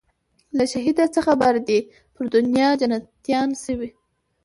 له شهیده څه خبر دي پر دنیا جنتیان سوي